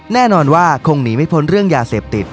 แน่นอนว่าคงหนีไม่พ้นเรื่องยาเสพติด